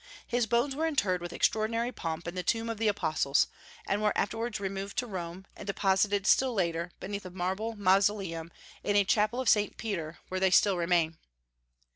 His bones were interred with extraordinary pomp in the tomb of the apostles, and were afterwards removed to Rome, and deposited, still later, beneath a marble mausoleum in a chapel of Saint Peter, where they still remain.